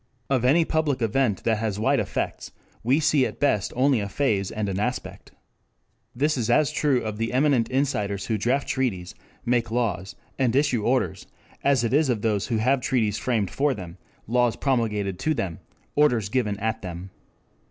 Of any public event that has wide effects we see at best only a phase and an aspect. This is as true of the eminent insiders who draft treaties, make laws, and issue orders, as it is of those who have treaties framed for them, laws promulgated to them, orders given at them.